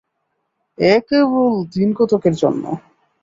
এ কেবল দিন-কতকের জন্য।